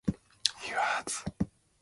He was seriously wounded and arrested.